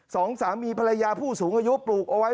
สองสามีภรรยาผู้สูงอายุปลูกเอาไว้